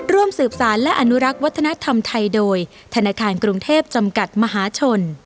ร่วมสืบสารและอนุรักษ์วัฒนธรรมไทยโดยธนาคารกรุงเทพจำกัดมหาชน